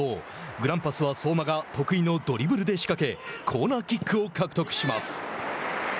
グランパスは相馬が得意のドリブルで仕掛けコーナーキックを獲得します。